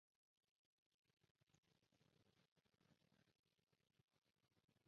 This method is used for complex chemical synthesis.